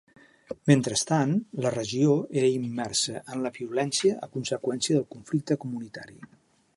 Mentrestant, la regió era immersa en la violència a conseqüència del conflicte comunitari.